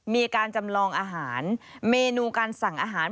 มีการจำลองอาหารเมนูการสั่งอาหาร